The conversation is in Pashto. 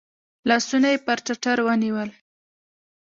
لاسونه یې پر ټتر ونیول .